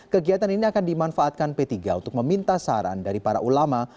kegiatan ini akan dimanfaatkan p tiga untuk meminta saran dari para ulama